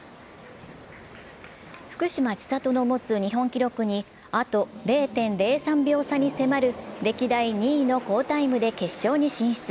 福島千里の持つ日本記録にあと０．０３秒差に迫る歴代２位の好タイムで決勝に進出。